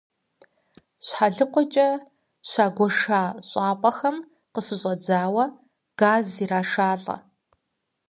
Щхьэлыкъуэкӏэ щагуэша щӏапӏэхэм къыщӏадзауэ газ ирашалӏэ.